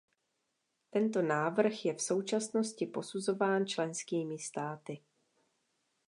Tento návrh je v současnosti posuzován členskými státy.